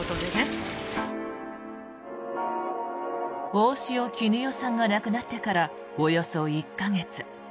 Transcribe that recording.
大塩衣與さんが亡くなってからおよそ１か月。